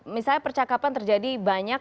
misalnya percakapan terjadi banyak